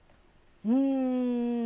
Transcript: うん。